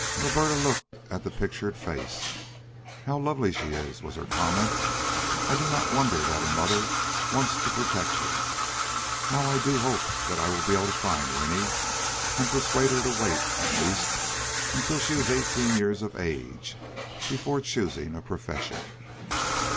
Roberta looked at the pictured face. "How lovely she is!" was her comment. "I do not wonder that her mother wants to protect her. How I do hope that I will be able to find Winnie and persuade her to wait, at least, until she is eighteen years of age before choosing a profession."